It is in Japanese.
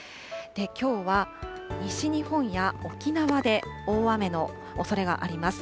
きょうは、西日本や沖縄で、大雨のおそれがあります。